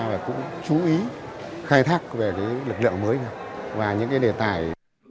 và cũng chú ý khai thác về lực lượng mới và những đề tài